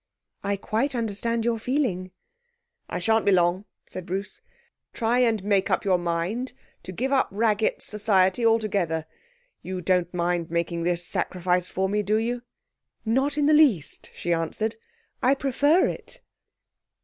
'I quite understand your feeling.' 'I shan't be long,' said Bruce. 'Try and make up your mind to give up Raggett's society altogether. You don't mind making this sacrifice for me, do you?' 'Not in the least,' she answered. 'I prefer it.'